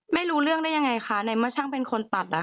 ไม่รู้เรื่องได้ยังไงคะในเมื่อช่างเป็นคนตัด